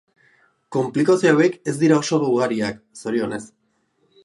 Konplikazio hauek ez dira oso ugariak, zorionez.